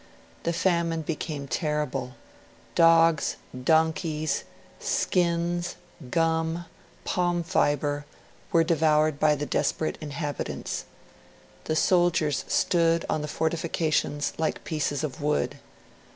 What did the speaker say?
The famine became terrible; dogs, donkeys, skins, gum, palm fibre, were devoured by the desperate inhabitants. The soldiers stood on the fortifications like pieces of wood.